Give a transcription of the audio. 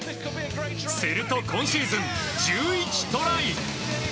すると、今シーズン１１トライ！